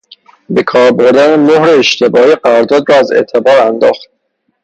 به کار بردن مهر اشتباهی قرارداد را از اعتبار انداخت.